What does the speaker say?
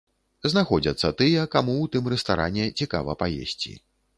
Знаходзяцца тыя, каму ў тым рэстаране цікава паесці.